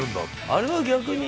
あれは逆に。